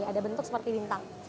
ada bentuk seperti bintang